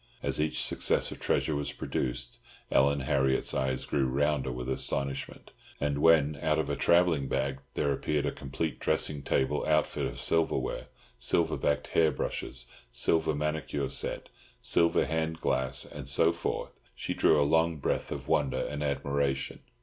As each successive treasure was produced, Ellen Harriott's eyes grew rounder with astonishment; and when, out of a travelling bag, there appeared a complete dressing table outfit of silverware—silver backed hair brushes, silver manicure set, silver handglass, and so forth—she drew a long breath of wonder and admiration.